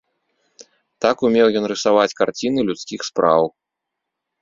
Так умеў ён рысаваць карціны людскіх спраў.